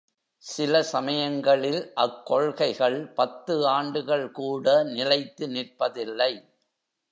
சில சமயங்களில் அக் கொள்கைகள் பத்து ஆண்டுகள் கூட நிலைத்து நிற்பதில்லை.